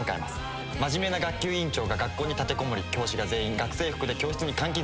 真面目な学級委員長が学校に立てこもり教師が全員学生服で教室に監禁されます。